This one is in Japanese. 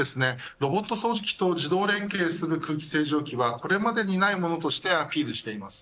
ロボット掃除機と連携する空気清浄機はこれまでにないものとしてアピールしています。